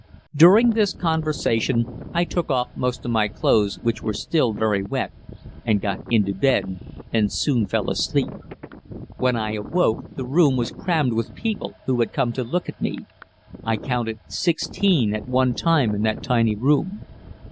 During this conversation I took off most of my clothes, which were still very wet, and got into bed and soon fell asleep. When I awoke the room was crammed with people, who had come to look at me. I counted sixteen at one time in that tiny room.